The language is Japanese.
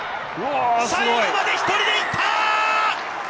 最後まで１人で行った！